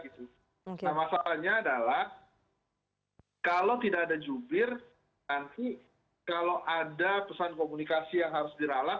nah masalahnya adalah kalau tidak ada jubir nanti kalau ada pesan komunikasi yang harus diralat